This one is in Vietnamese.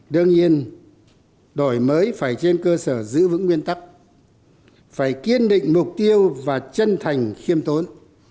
đương nhiên đổi mới phải trên cơ sở giữ vững nguyên tắc phải kiên định mục tiêu và chân thành khiêm tốn